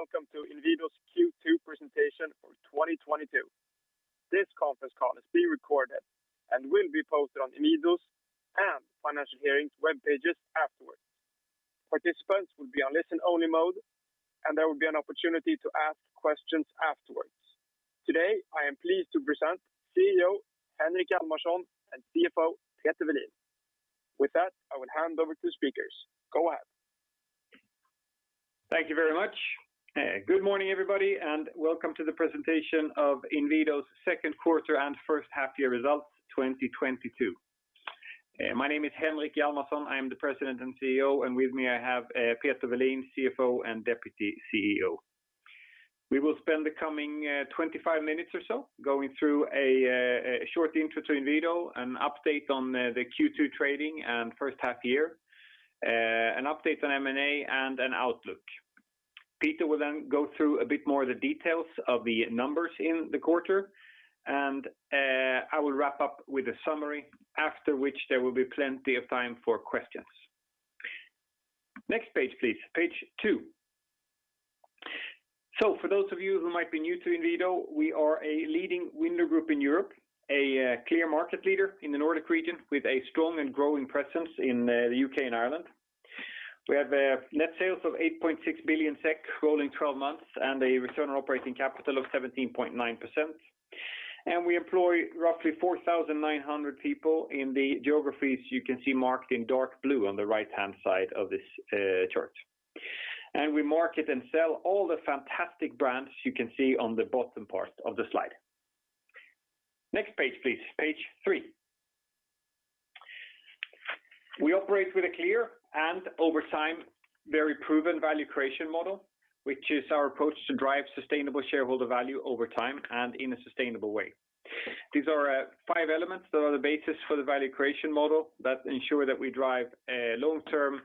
Welcome to Inwido's Q2 Presentation for 2022. This conference call is being recorded and will be posted on Inwido's and Financial Hearings' webpages afterwards. Participants will be on listen only mode, and there will be an opportunity to ask questions afterwards. Today, I am pleased to present CEO Henrik Hjalmarsson and CFO Peter Welin. With that, I will hand over to speakers. Go ahead. Thank you very much. Good morning, everybody, and welcome to the presentation of Inwido's second quarter and first half results 2022. My name is Henrik Hjalmarsson. I am the President and CEO, and with me I have Peter Welin, CFO and Deputy CEO. We will spend the coming 25 minutes or so going through a short intro to Inwido, an update on the Q2 trading and first half, an update on M&A and an outlook. Peter will then go through a bit more of the details of the numbers in the quarter, and I will wrap up with a summary after which there will be plenty of time for questions. Next page, please. Page two. For those of you who might be new to Inwido, we are a leading window group in Europe, a clear market leader in the Nordic region with a strong and growing presence in the UK and Ireland. We have net sales of 8.6 billion SEK rolling 12 months and a return on operating capital of 17.9%. We employ roughly 4,900 people in the geographies you can see marked in dark blue on the right-hand side of this chart. We market and sell all the fantastic brands you can see on the bottom part of the slide. Next page, please. Page three. We operate with a clear and over time, very proven value creation model, which is our approach to drive sustainable shareholder value over time and in a sustainable way. These are five elements that are the basis for the value creation model that ensure that we drive long-term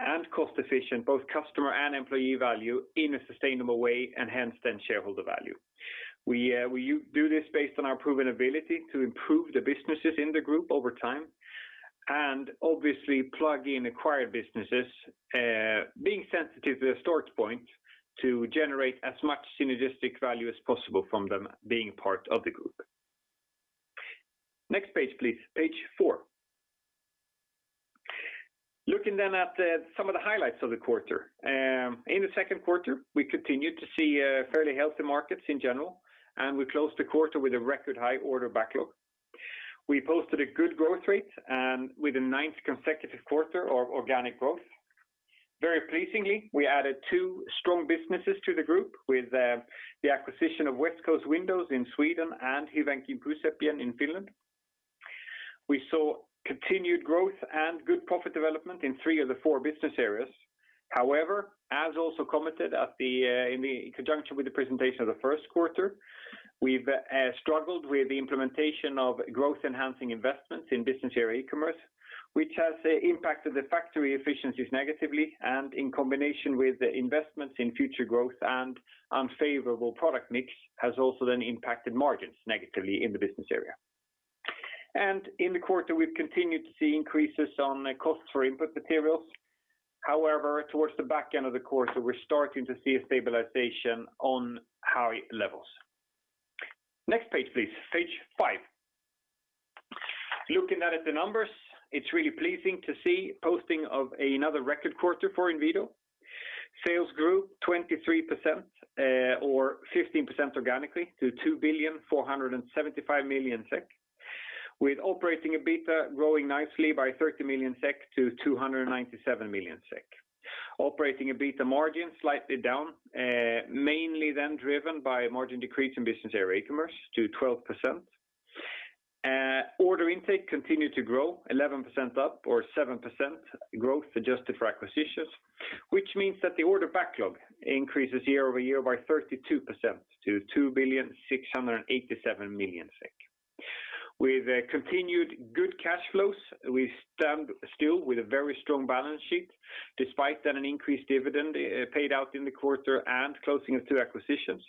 and cost-efficient both customer and employee value in a sustainable way and hence then shareholder value. We do this based on our proven ability to improve the businesses in the group over time and obviously plug in acquired businesses, being sensitive to the start point to generate as much synergistic value as possible from them being part of the group. Next page, please. Page four. Looking then at some of the highlights of the quarter. In the second quarter, we continued to see fairly healthy markets in general, and we closed the quarter with a record high order backlog. We posted a good growth rate and with a ninth consecutive quarter of organic growth. Very pleasingly, we added two strong businesses to the group with the acquisition of Westcoast Windows in Sweden and Hyvinkään Puuseppien in Finland. We saw continued growth and good profit development in three of the four business areas. However, as also commented in conjunction with the presentation of the first quarter, we've struggled with the implementation of growth enhancing investments in business area e-commerce, which has impacted the factory efficiencies negatively and in combination with the investments in future growth and unfavorable product mix has also then impacted margins negatively in the business area. In the quarter, we've continued to see increases in costs for input materials. However, towards the back end of the quarter, we're starting to see a stabilization at high levels. Next page, please. Page five. Looking at the numbers, it's really pleasing to see posting of another record quarter for Inwido. Sales grew 23%, or 15% organically to 2,475,000,000 SEK, with operating EBITDA growing nicely by 30 million SEK to 297 million SEK. Operating EBITDA margin slightly down, mainly driven by margin decrease in business area e-commerce to 12%. Order intake continued to grow 11% up or 7% growth adjusted for acquisitions, which means that the order backlog increases year-over-year by 32% to 2,687,000,000 SEK. With continued good cash flows, we still stand with a very strong balance sheet, despite an increased dividend paid out in the quarter and closing of two acquisitions.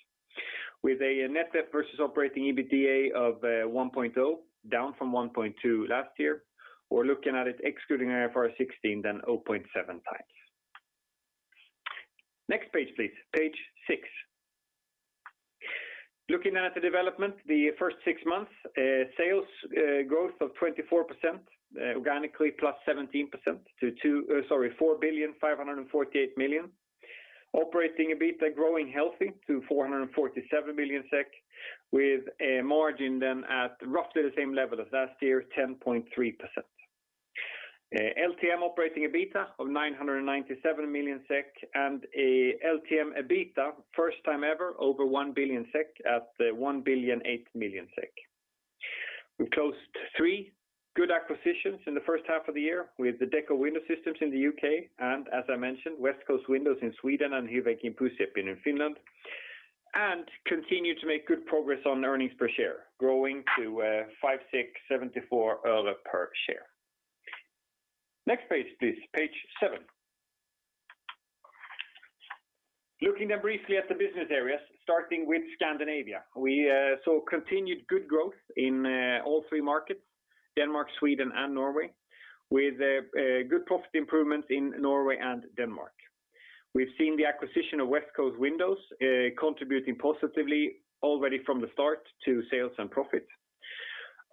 With a net debt versus operating EBITDA of 1.0, down from 1.2 last year, we're looking at it excluding IFRS 16, then 0.7 times. Next page, please. Page six. Looking at the development, the first six months, sales growth of 24%, organically +17% to 4,548,000,000. Operating EBITDA growing healthy to 447 million SEK with a margin then at roughly the same level as last year, 10.3%. LTM operating EBITDA of 997 million SEK and a LTM EBITDA, first time ever over 1 billion SEK at 1,008,000,000 SEK. We closed three good acquisitions in the first half of the year with the Dekko Window Systems in the UK and as I mentioned, Westcoast Windows in Sweden and Hyvinkään Puuseppien in Finland, and continue to make good progress on earnings per share, growing to SEK 56.74 per share. Next page, please. Page seven. Looking briefly at the business areas, starting with Scandinavia. We saw continued good growth in all three markets, Denmark, Sweden, and Norway with good profit improvements in Norway and Denmark. We've seen the acquisition of Westcoast Windows contributing positively already from the start to sales and profit.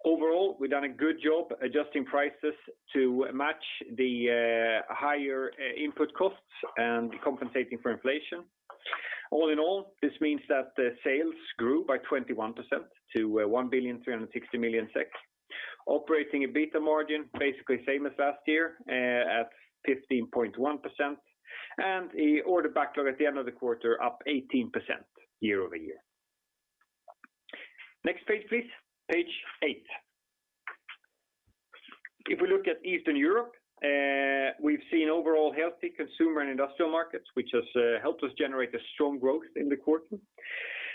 Overall, we've done a good job adjusting prices to match the higher input costs and compensating for inflation. All in all, this means that the sales grew by 21% to 1,360,000,000. Operating EBITDA margin basically same as last year, at 15.1%, and the order backlog at the end of the quarter up 18% year-over-year. Next page, please. Page eight. If we look at Eastern Europe, we've seen overall healthy consumer and industrial markets, which has helped us generate a strong growth in the quarter.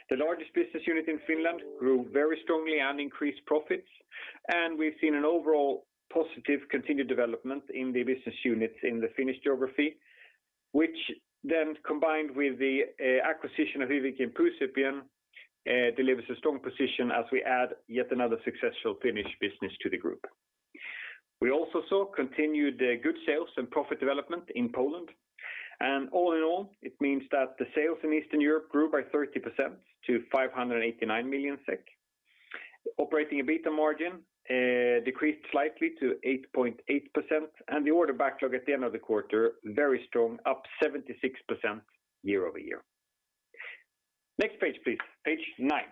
The largest business unit in Finland grew very strongly and increased profits, and we've seen an overall positive continued development in the business units in the Finnish geography, which then combined with the acquisition of Hyvinkään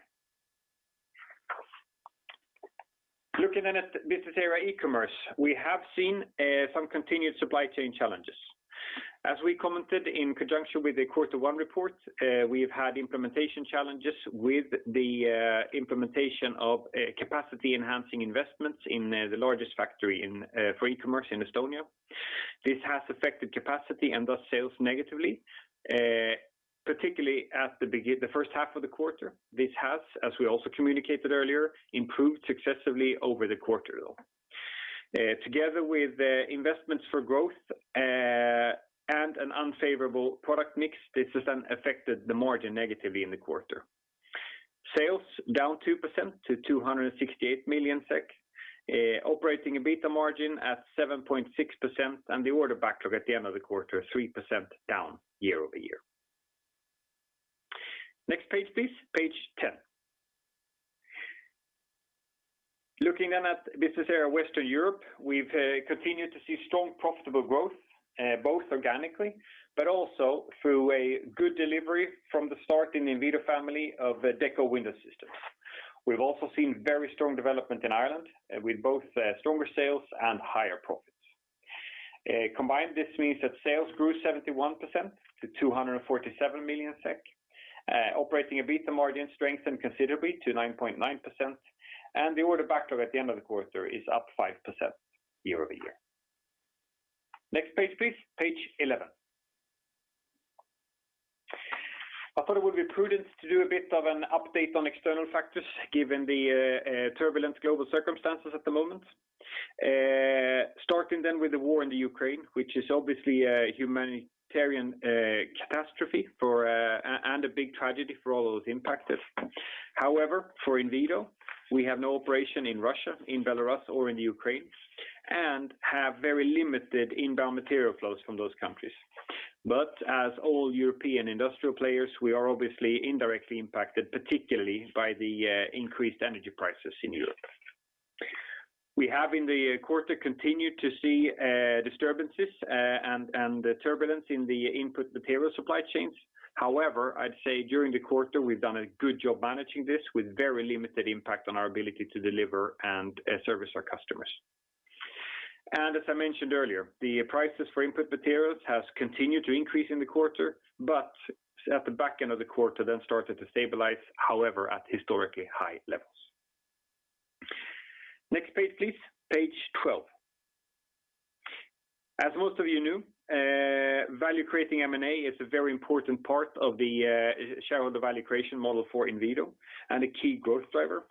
Puuseppien. We have in the quarter continued to see disturbances and turbulence in the input material supply chains. However, I'd say during the quarter, we've done a good job managing this with very limited impact on our ability to deliver and service our customers. As I mentioned earlier, the prices for input materials has continued to increase in the quarter, but at the back end of the quarter, then started to stabilize, however, at historically high levels. Next page, please. Page 12. As most of you knew, value creating M&A is a very important part of the shareholder value creation model for Inwido and a key growth driver.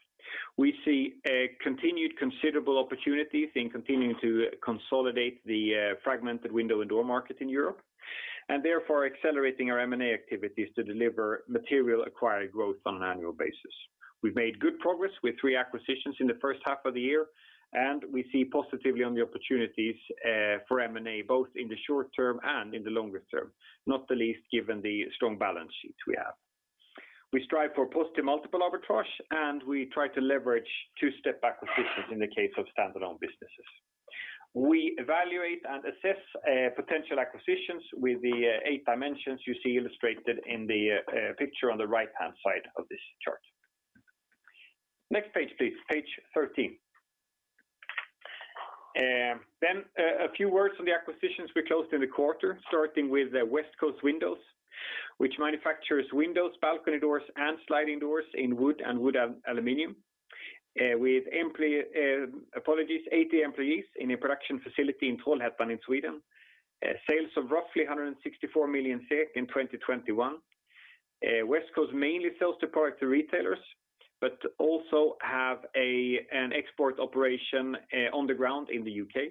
We see a continued considerable opportunities in continuing to consolidate the fragmented window and door market in Europe, and therefore accelerating our M&A activities to deliver material acquired growth on an annual basis. We've made good progress with three acquisitions in the first half of the year, and we see positively on the opportunities for M&A, both in the short term and in the longer term, not the least given the strong balance sheets we have. We strive for post to multiple arbitrage, and we try to leverage two-step acquisitions in the case of standalone businesses. We evaluate and assess potential acquisitions with the eight dimensions you see illustrated in the picture on the right-hand side of this chart. Next page, please. Page 13. A few words on the acquisitions we closed in the quarter, starting with Westcoast Windows, which manufactures windows, balcony doors, and sliding doors in wood and wood-aluminum with 80 employees in a production facility in Trollhättan in Sweden. Sales of roughly 164 million SEK in 2021. Westcoast mainly sells the product to retailers, but also have an export operation on the ground in the UK.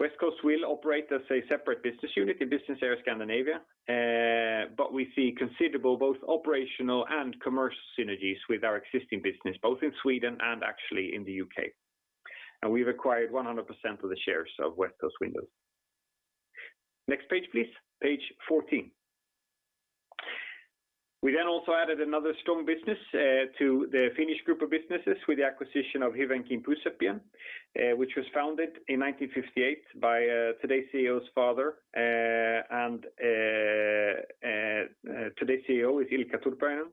Westcoast will operate as a separate business unit in business area Scandinavia, but we see considerable both operational and commercial synergies with our existing business, both in Sweden and actually in the UK. We've acquired 100% of the shares of Westcoast Windows. Next page, please. Page 14. We also added another strong business to the Finnish group of businesses with the acquisition of Hyvinkään Puuseppien, which was founded in 1958 by today's CEO's father, and today's CEO is Ilkka Turpeinen.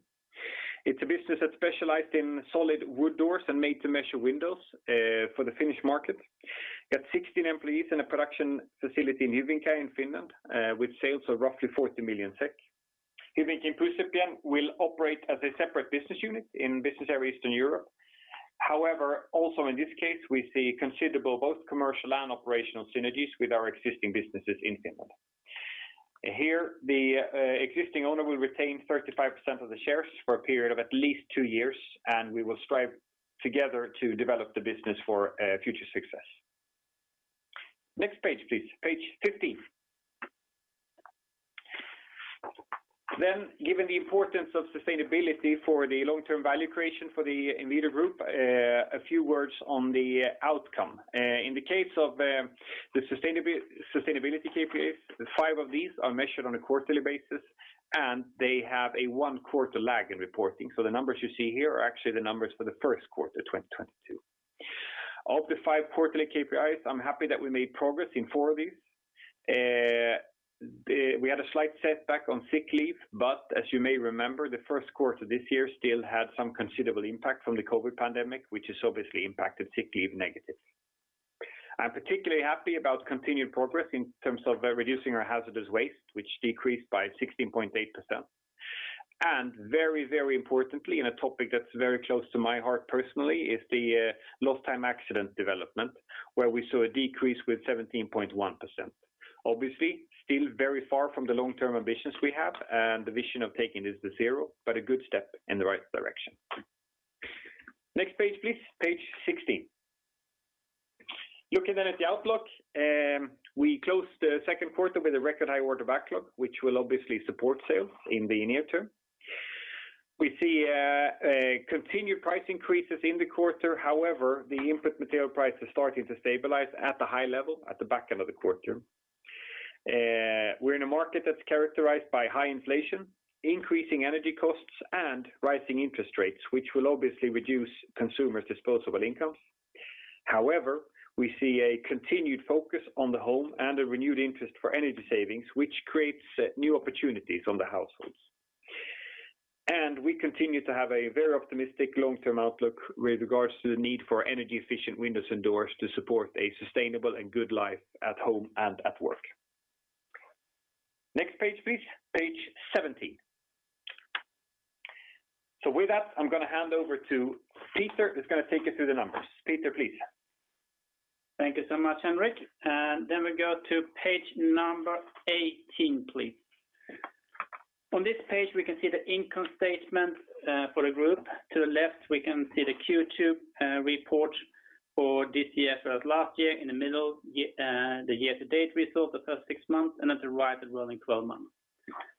It's a business that specialized in solid wood doors and made-to-measure windows for the Finnish market. Got 16 employees in a production facility in Hyvinkään in Finland, with sales of roughly 40 million SEK. Hyvinkään Puuseppien will operate as a separate business unit in business area Eastern Europe. However, also in this case, we see considerable both commercial and operational synergies with our existing businesses in Finland. Here, the existing owner will retain 35% of the shares for a period of at least two years, and we will strive together to develop the business for future success. Next page, please. Page 15. Given the importance of sustainability for the long-term value creation for the Inwido Group, a few words on the outcome. In the case of the sustainability KPIs, the five of these are measured on a quarterly basis, and they have a one-quarter lag in reporting. The numbers you see here are actually the numbers for the first quarter 2022. Of the five quarterly KPIs, I'm happy that we made progress in four of these. We had a slight setback on sick leave, but as you may remember, the first quarter this year still had some considerable impact from the COVID pandemic, which has obviously impacted sick leave negatively. I'm particularly happy about continued progress in terms of reducing our hazardous waste, which decreased by 16.8%. Very, very importantly, and a topic that's very close to my heart personally is the lost time accident development, where we saw a decrease with 17.1%. Obviously, still very far from the long-term ambitions we have and the vision of taking this to zero, but a good step in the right direction. Next page, please. Page 16. Looking then at the outlook, we closed the second quarter with a record high order backlog, which will obviously support sales in the near term. We see continued price increases in the quarter. However, the input material price is starting to stabilize at the high level at the back end of the quarter. We're in a market that's characterized by high inflation, increasing energy costs, and rising interest rates, which will obviously reduce consumers' disposable incomes. However, we see a continued focus on the home and a renewed interest for energy savings, which creates new opportunities on the households. We continue to have a very optimistic long-term outlook with regards to the need for energy-efficient windows and doors to support a sustainable and good life at home and at work. Next page, please. Page 17. With that, I'm going to hand over to Peter, who's going to take you through the numbers. Peter, please. Thank you so much, Henrik. Then we go to page 18, please. On this page, we can see the income statement for the group. To the left, we can see the Q2 report for this year versus last year. In the middle, the year-to-date result, the first six months, and at the right, the rolling 12-month.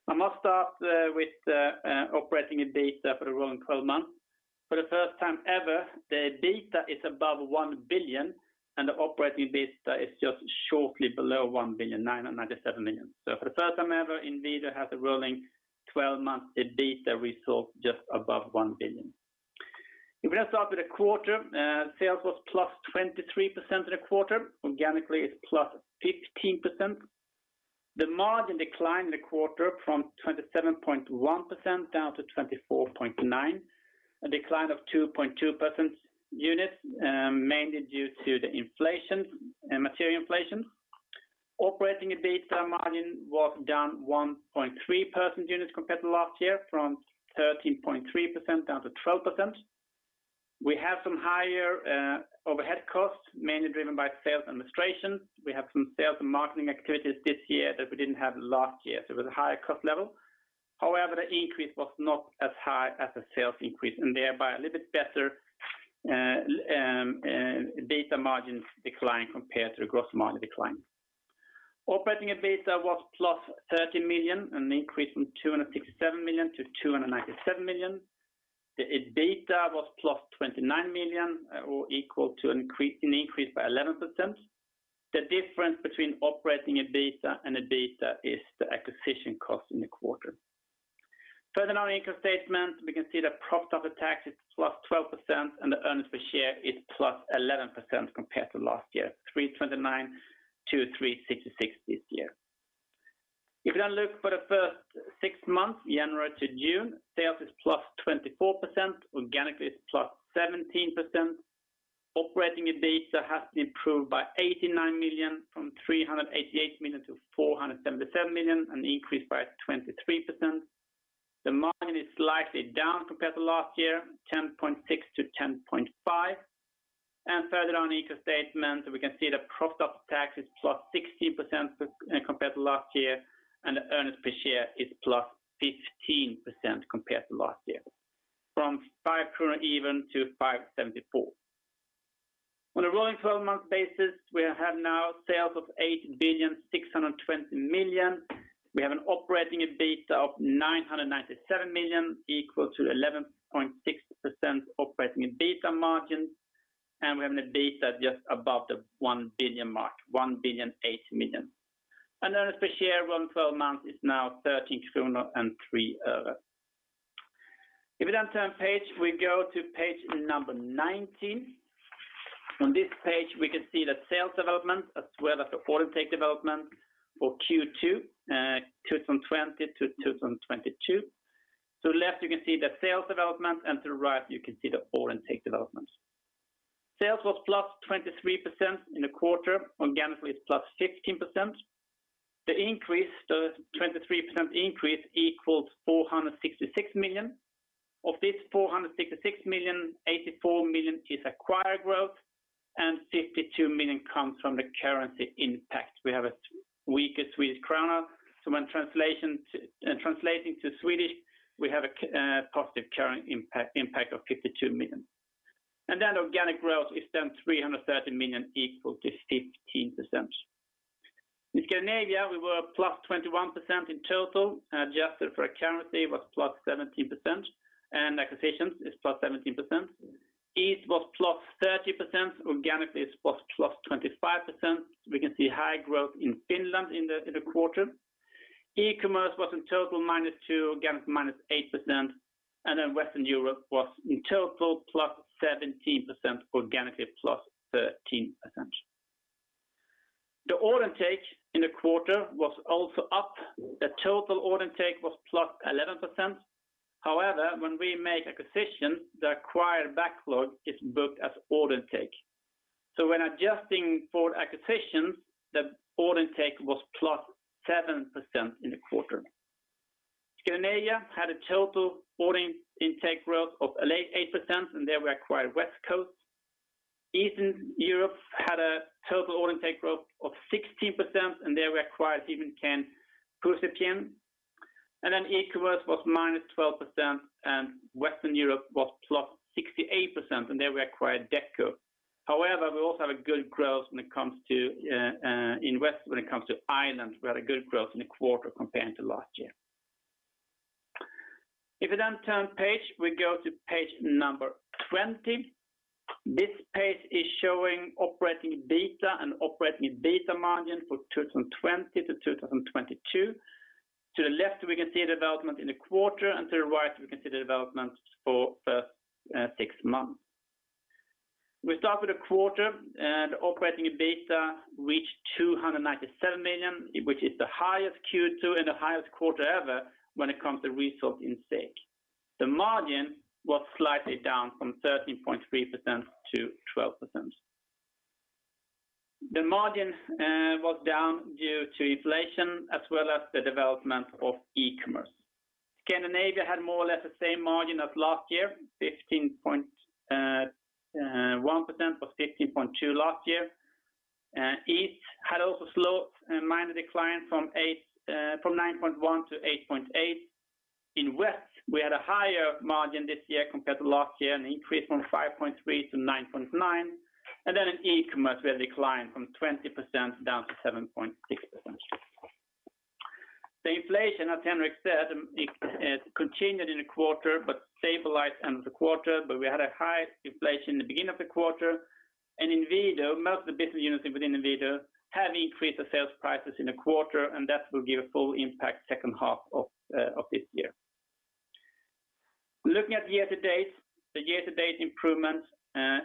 I must start with the operating EBITDA for the rolling 12-month. For the first time ever, the EBITDA is above 1 billion, and the operating EBITDA is just shortly below 1,997,000,000. For the first time ever, Inwido has a rolling 12-month EBITDA result just above 1 billion. If we now start with the quarter, sales was +23% in the quarter. Organically, it's +15%. The margin declined in the quarter from 27.1% down to 24.9%, a decline of 2.2 percentage points, mainly due to the inflation, material inflation. Operating EBITDA margin was down 1.3 percentage points compared to last year from 13.3% down to 12%. We have some higher overhead costs, mainly driven by sales administration. We have some sales and marketing activities this year that we didn't have last year, so it was a higher cost level. However, the increase was not as high as the sales increase, and thereby a little bit better EBITDA margins decline compared to the gross margin decline. Operating EBITDA was +30 million, an increase from 267 million to 297 million. The EBITDA was +29 million or equal to increase, an increase by 11%. The difference between operating EBITDA and EBITDA is the acquisition cost in the quarter. Further on the income statement, we can see the profit after tax is +12%, and the earnings per share is +11% compared to last year, 3.29-3.66 this year. If you now look for the first six months, January to June, sales is +24%. Organically, it's +17%. Operating EBITDA has been improved by 89 million from 388 million-477 million, an increase by 23%. The margin is slightly down compared to last year, 10.6%-10.5%. Further on the income statement, we can see the profit before tax is +16% compared to last year, and the earnings per share is +15% compared to last year. From 5.00-5.74 kronor. On a rolling 12-month basis, we have now sales of 8,620,000,000. We have an operating EBITDA of 997 million, equal to 11.6% operating EBITDA margin, and we have an EBITDA just above the one billion mark, 1,008,000,000. Then EPS LTM is now SEK 13.03. If you then turn to page, we go to page number 19. On this page, we can see the sales development as well as the order intake development for Q2 2020 to 2022. To the left, you can see the sales development, and to the right, you can see the order intake development. Sales was +23% in the quarter. Organically, it's +16%. The increase, the 23% increase equals 466 million. Of this 466 million, 84 million is acquired growth, and 52 million comes from the currency impact. We have a weaker Swedish krona, so when translating to Swedish, we have a positive currency impact of 52 million. Organic growth is 330 million equal to 15%. In Scandinavia, we were +21% in total. Adjusted for currency was +17%, and acquisitions is +17%. East was +30%. Organically, it was +25%. We can see high growth in Finland in the quarter. E-commerce was in total -2%, again -8%. Western Europe was in total +17%, organically +13%. The order intake in the quarter was also up. The total order intake was +11%. However, when we make acquisitions, the acquired backlog is booked as order intake. So when adjusting for acquisitions, the order intake was +7% in the quarter. Scandinavia had a total order intake growth of 8%, and they acquired Westcoast. Eastern Europe had a total order intake growth of 16%, and they acquired Hyvinkään Puuseppien. e-commerce was -12%, and Western Europe was +68%, and they acquired Dekko. However, we also have a good growth when it comes to in West when it comes to Ireland. We had a good growth in the quarter compared to last year. If you then turn page, we go to page number 20. This page is showing operating EBITDA and operating EBITDA margin for 2020 to 2022. To the left, we can see the development in the quarter, and to the right, we can see the development for first six months. We start with the quarter, and operating EBITDA reached 297 million, which is the highest Q2 and the highest quarter ever when it comes to result in SEK. The margin was slightly down from 13.3%-12%. The margin was down due to inflation as well as the development of e-commerce. Scandinavia had more or less the same margin as last year, 15.1%, or 15.2 last year. East had also slowed and minor decline from 9.1%-8.8%. In West, we had a higher margin this year compared to last year, an increase from 5.3%-9.9%. In e-commerce, we had a decline from 20% down to 7.6%. The inflation, as Henrik said, continued in the quarter, but stabilized end of the quarter, but we had a high inflation in the beginning of the quarter. Inwido, most of the business units within Inwido have increased the sales prices in the quarter, and that will give a full impact second half of this year. Looking at year-to-date, the year-to-date improvement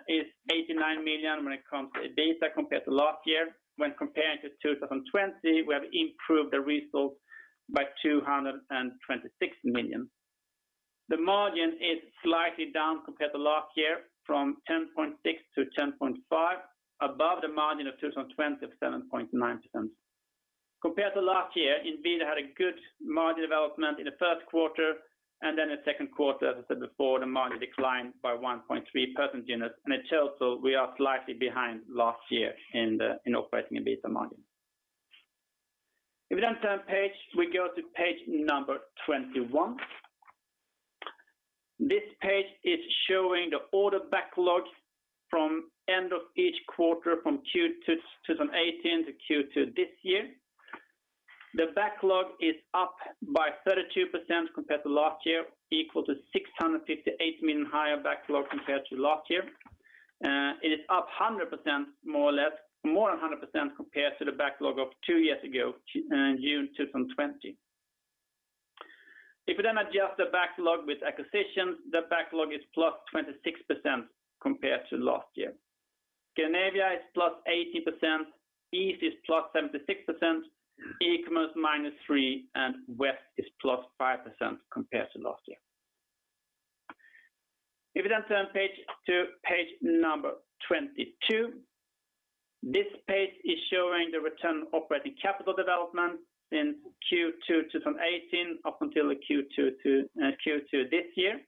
is 89 million when it comes to EBITDA compared to last year. When comparing to 2020, we have improved the results by 226 million. The margin is slightly down compared to last year from 10.6%-10.5%, above the margin of 2020 of 7.9%. Compared to last year, Inwido had a good margin development in the first quarter, and then the second quarter, as I said before, the margin declined by 1.3% units. In total, we are slightly behind last year in operating EBITDA margin. If you then turn page, we go to page number 21. This page is showing the order backlogs from end of each quarter from Q2 2018 to Q2 this year. The backlog is up by 32% compared to last year, equal to 658 million higher backlog compared to last year. It is up 100% more or less, more than 100% compared to the backlog of two years ago, June 2020. If you then adjust the backlog with acquisitions, the backlog is +26% compared to last year. Scandinavia is +18%, East is +76%, e-commerce -3%, and West is +5% compared to last year. If you then turn to page number 22, this page is showing the return on operating capital development in Q2 2018 up until the Q2 this year.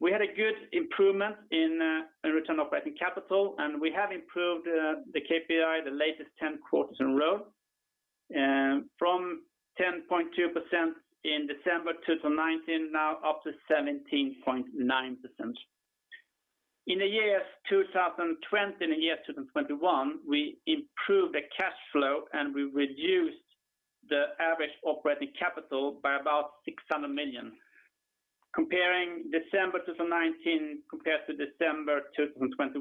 We had a good improvement in return on operating capital, and we have improved the KPI the latest 10 quarters in a row. From 10.2% in December 2019, now up to 17.9%. In the years 2020 and the year 2021, we improved the cash flow, and we reduced the average operating capital by about 600 million. Comparing December 2019 compared to December 2021,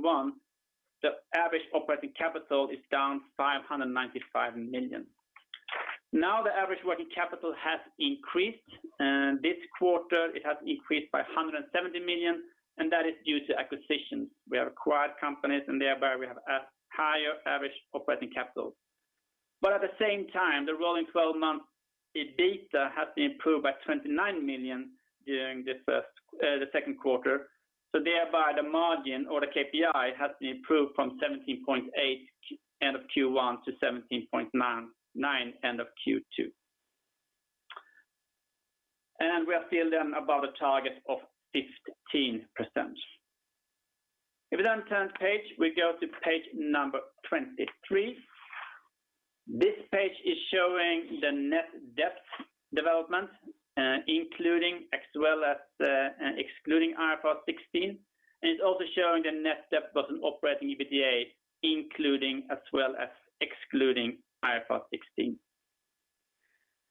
the average operating capital is down 595 million. Now the average working capital has increased, and this quarter it has increased by 170 million, and that is due to acquisitions. We have acquired companies and thereby we have a higher average operating capital. At the same time, the rolling twelve-month EBITDA has been improved by 29 million during the second quarter. Thereby the margin or the KPI has been improved from 17.8% end of Q1 to 17.9% end of Q2. We are still then above the target of 15%. If you then turn page, we go to page number 23. This page is showing the net debt development, including as well as excluding IFRS 16, and it's also showing the net debt versus operating EBITDA, including as well as excluding IFRS 16.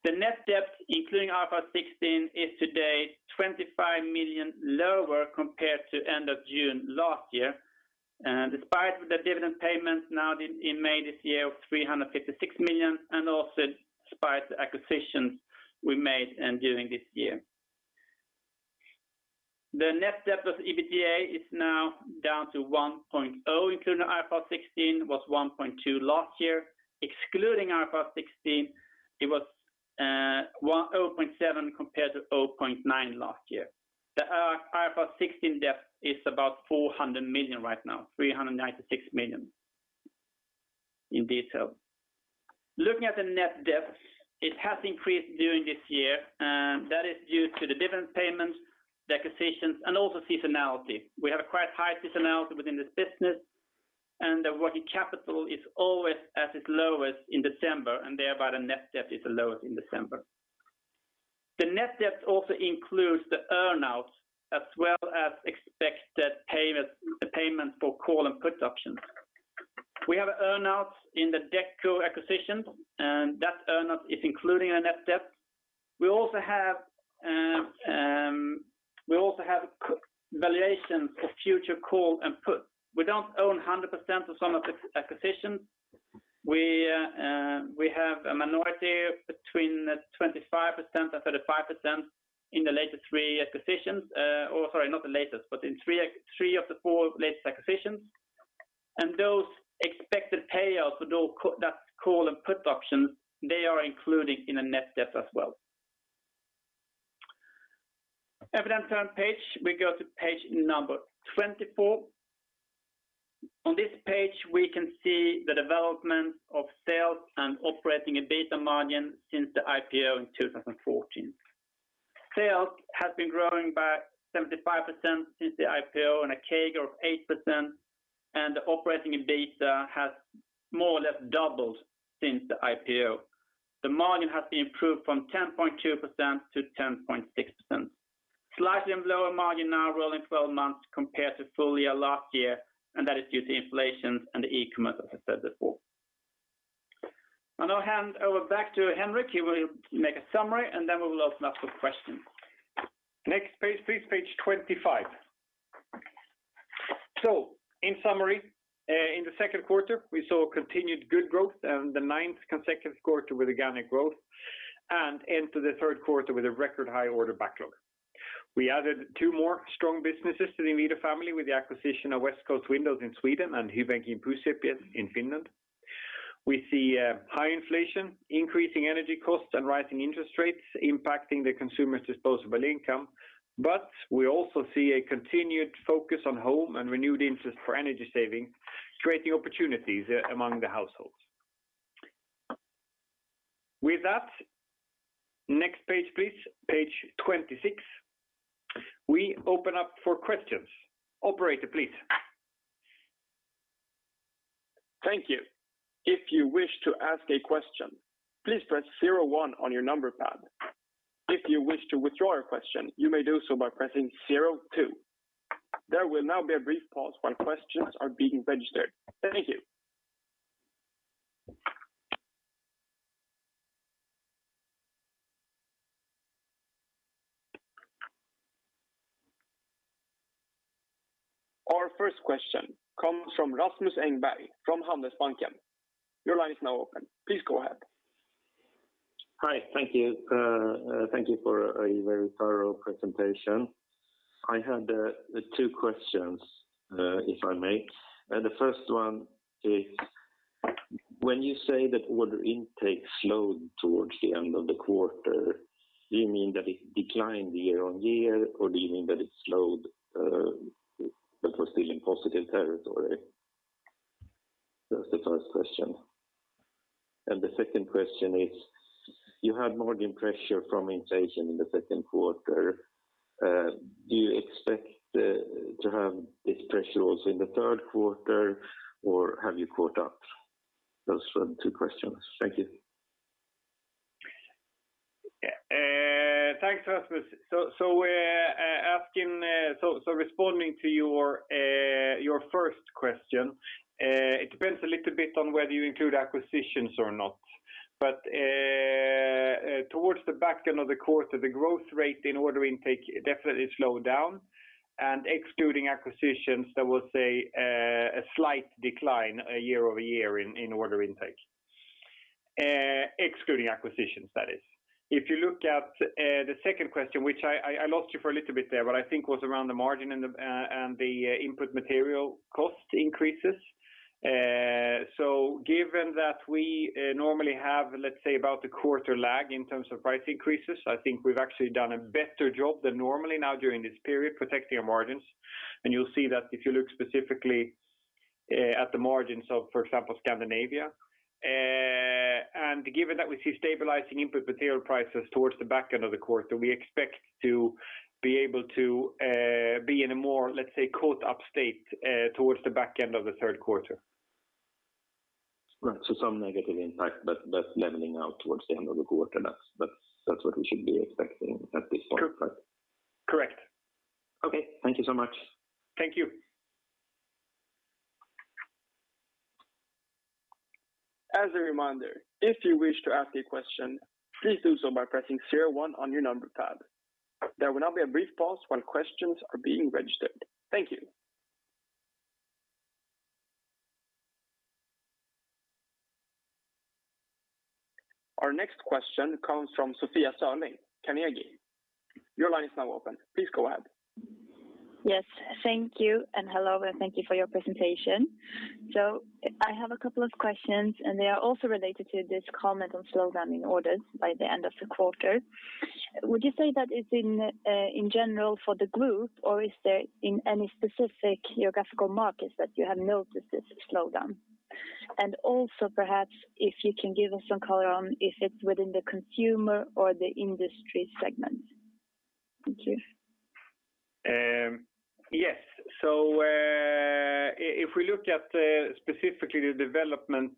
The net debt, including IFRS 16, is today 25 million lower compared to end of June last year. Despite the dividend payments now in May this year of 356 million, and also despite the acquisitions we made during this year. The net debt plus EBITDA is now down to 1.0 including IFRS 16, was 1.2 last year. Excluding IFRS 16, it was 0.7 compared to 0.9 last year. The IFRS 16 debt is about 400 million right now, 396 million in detail. Looking at the net debt, it has increased during this year, and that is due to the dividend payments, the acquisitions and also seasonality. We have a quite high seasonality within this business, and the working capital is always at its lowest in December, and thereby the net debt is the lowest in December. The net debt also includes the earnouts as well as expected payments for call and put options. We have earnouts in the Dekko acquisitions, and that earnout is including our net debt. We also have valuations for future call and put. We don't own 100% of some of the acquisitions. We have a minority between 25% and 35% in the latest three acquisitions. Or sorry, not the latest, but in three of the four latest acquisitions. Those expected payouts for those call and put options, they are included in the net debt as well. If you then turn page, we go to page number 24. On this page, we can see the development of sales and operating EBITDA margin since the IPO in 2014. Sales has been growing by 75% since the IPO on a CAGR of 8%, and the operating EBITDA has more or less doubled since the IPO. The margin has been improved from 10.2%-10.6%. Slightly lower margin now rolling twelve months compared to full year last year, and that is due to inflation and the e-commerce, as I said before. I now hand over back to Henrik. He will make a summary, and then we will open up for questions. Next page, please. Page 25. In summary, in the second quarter, we saw continued good growth and the ninth consecutive quarter with organic growth and into the third quarter with a record high order backlog. We added two more strong businesses to the Inwido family with the acquisition of Westcoast Windows in Sweden and Hyvinkään Puuseppien in Finland. We see high inflation, increasing energy costs, and rising interest rates impacting the consumers' disposable income. We also see a continued focus on home and renewed interest for energy saving, creating opportunities among the households. With that, next page, please. Page 26. We open up for questions. Operator, please. Thank you. If you wish to ask a question, please press zero one on your number pad. If you wish to withdraw your question, you may do so by pressing zero two. There will now be a brief pause while questions are being registered. Thank you. Our first question comes from Rasmus Engberg from Handelsbanken. Your line is now open. Please go ahead. Hi. Thank you. Thank you for a very thorough presentation. I had two questions, if I may. The first one is when you say that order intake slowed towards the end of the quarter, do you mean that it declined year on year, or do you mean that it slowed, but was still in positive territory? That's the first question. The second question is- You had margin pressure from inflation in the second quarter. Do you expect to have this pressure also in the third quarter, or have you caught up? Those were the two questions. Thank you. Thanks, Rasmus. Responding to your first question, it depends a little bit on whether you include acquisitions or not. Towards the back end of the quarter, the growth rate in order intake definitely slowed down. Excluding acquisitions, there was a slight decline year-over-year in order intake. Excluding acquisitions, that is. If you look at the second question, which I lost you for a little bit there, but I think was around the margin and the input material cost increases. Given that we normally have, let's say, about a quarter lag in terms of price increases, I think we've actually done a better job than normally now during this period protecting our margins. You'll see that if you look specifically at the margins of, for example, Scandinavia. Given that we see stabilizing input material prices towards the back end of the quarter, we expect to be able to be in a more, let's say, caught up state towards the back end of the third quarter. Right. Some negative impact, but that's leveling out towards the end of the quarter. That's what we should be expecting at this point. True. Correct. Okay. Thank you so much. Thank you. As a reminder, if you wish to ask a question, please do so by pressing zero one on your number pad. There will now be a brief pause while questions are being registered. Thank you. Our next question comes from Sofia Sörling, Carnegie. Your line is now open. Please go ahead. Yes. Thank you, and hello, and thank you for your presentation. I have a couple of questions, and they are also related to this comment on slowdown in orders by the end of the quarter. Would you say that it's in general for the group, or is there in any specific geographical markets that you have noticed this slowdown? Also perhaps if you can give us some color on if it's within the consumer or the industry segment. Thank you. If we look at specifically the development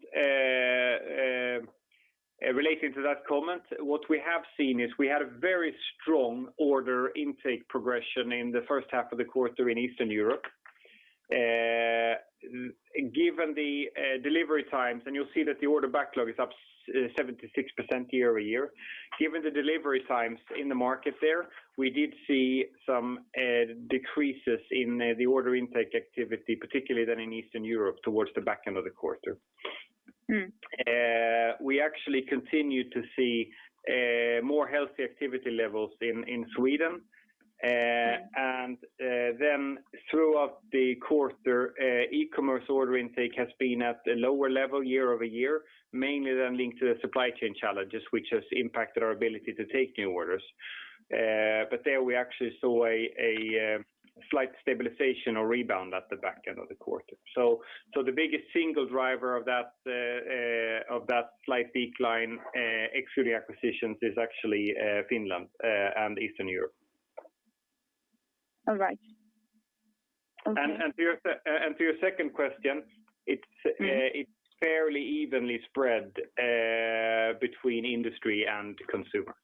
relating to that comment, what we have seen is we had a very strong order intake progression in the first half of the quarter in Eastern Europe. Given the delivery times, and you'll see that the order backlog is up 76% year-over-year. Given the delivery times in the market there, we did see some decreases in the order intake activity, particularly then in Eastern Europe towards the back end of the quarter. Mm. We actually continued to see more healthy activity levels in Sweden. Throughout the quarter, e-commerce order intake has been at a lower level year-over-year, mainly then linked to the supply chain challenges, which has impacted our ability to take new orders. There we actually saw a slight stabilization or rebound at the back end of the quarter. The biggest single driver of that slight decline, excluding acquisitions, is actually Finland and Eastern Europe. All right. Okay. To your second question, it's- Mm It's fairly evenly spread between industry and consumer.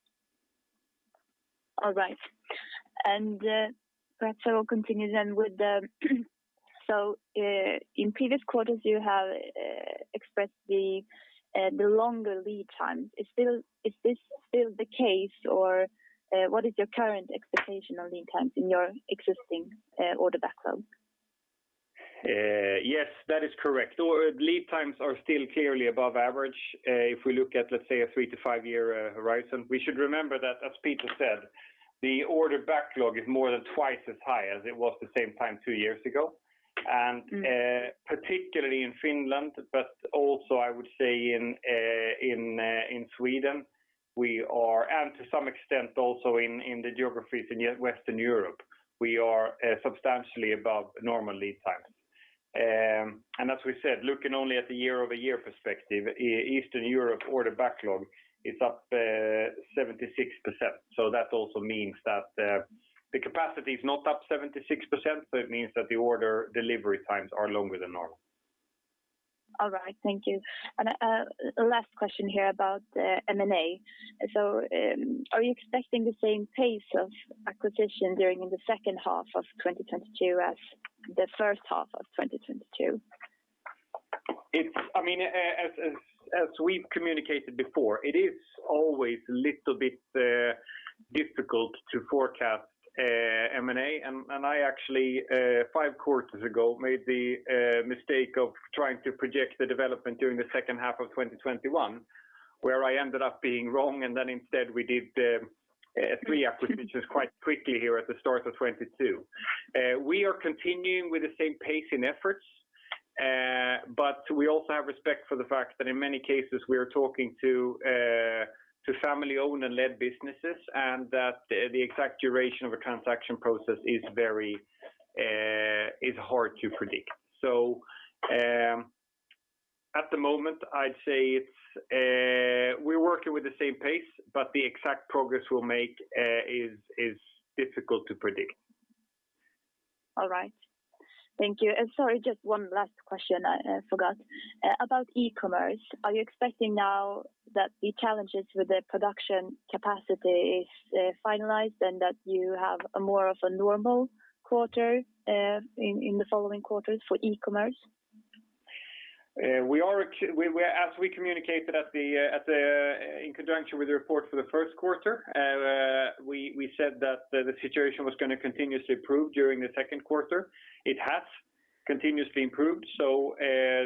All right. Perhaps I will continue then. In previous quarters you have expressed the longer lead time. Is this still the case? Or, what is your current expectation on lead times in your existing order backlog? Yes, that is correct. Our lead times are still clearly above average. If we look at, let's say, a 3-5-year horizon. We should remember that, as Peter said, the order backlog is more than twice as high as it was the same time two years ago. Mm. Particularly in Finland, but also I would say in Sweden, we are to some extent also in the geographies in Western Europe substantially above normal lead times. As we said, looking only at the year-over-year perspective, in Eastern Europe order backlog is up 76%. That also means that the capacity is not up 76%, so it means that the order delivery times are longer than normal. All right. Thank you. A last question here about M&A. Are you expecting the same pace of acquisition during the second half of 2022 as the first half of 2022? I mean, as we've communicated before, it is always a little bit difficult to forecast M&A. I actually five quarters ago made the mistake of trying to project the development during the second half of 2021, where I ended up being wrong, and then instead we did three acquisitions quite quickly here at the start of 2022. We are continuing with the same pace and efforts, but we also have respect for the fact that in many cases we are talking to family owned and led businesses, and that the exact duration of a transaction process is very hard to predict. At the moment, I'd say we're working with the same pace, but the exact progress we'll make is difficult to predict. All right. Thank you. Sorry, just one last question I forgot. About e-commerce, are you expecting now that the challenges with the production capacity is finalized and that you have more of a normal quarter in the following quarters for e-commerce? As we communicated in conjunction with the report for the first quarter, we said that the situation was gonna continuously improve during the second quarter. It has continuously improved.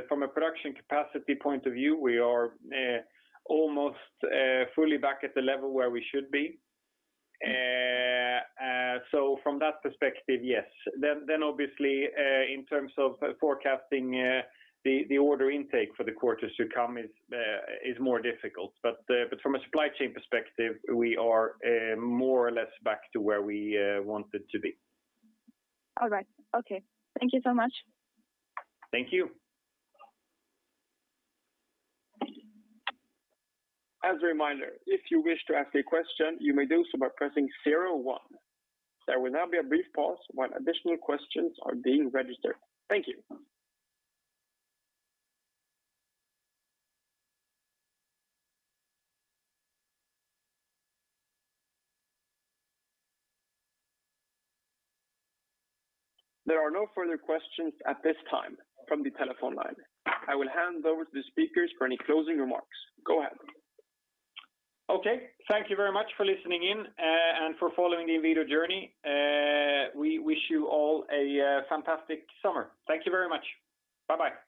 From a production capacity point of view, we are almost fully back at the level where we should be. From that perspective, yes. In terms of forecasting, the order intake for the quarters to come is more difficult. From a supply chain perspective, we are more or less back to where we wanted to be. All right. Okay. Thank you so much. Thank you. As a reminder, if you wish to ask a question, you may do so by pressing zero one. There will now be a brief pause while additional questions are being registered. Thank you. There are no further questions at this time from the telephone line. I will hand over to the speakers for any closing remarks. Go ahead. Okay. Thank you very much for listening in, and for following the Inwido journey. We wish you all a fantastic summer. Thank you very much. Bye-bye.